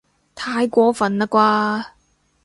太過分喇啩